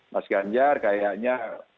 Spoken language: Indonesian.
mas ganjar kayaknya